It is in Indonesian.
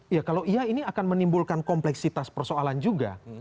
ya kalau iya ini akan menimbulkan kompleksitas persoalan juga